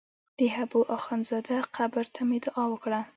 د حبو اخند زاده قبر ته مې دعا وکړه.